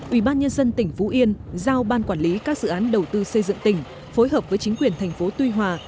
ubnd tỉnh phú yên giao ban quản lý các dự án đầu tư xây dựng tỉnh phối hợp với chính quyền thành phố tuy hòa